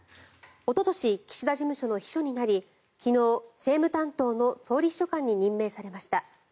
おととし岸田事務所の秘書になり昨日、政務担当の総理秘書官に任命されました。